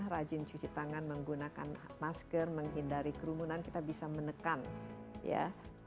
rajin cuci tangan menggunakan masker menghindari kerumunan kita bisa menekan ya